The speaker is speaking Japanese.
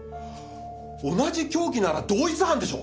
同じ凶器なら同一犯でしょ！